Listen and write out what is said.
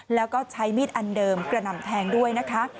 แล้วก็ใช้มีดอันเดิมกระหน่ำแทงด้วยนะคะ